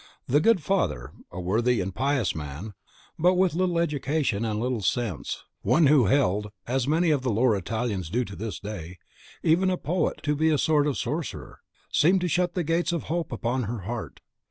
The good father, a worthy and pious man, but with little education and less sense, one who held (as many of the lower Italians do to this day) even a poet to be a sort of sorcerer, seemed to shut the gates of hope upon her heart.